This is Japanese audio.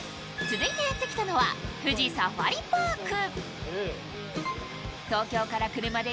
続いてやってきたのは、富士サファリパーク。